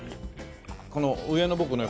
この上の僕ね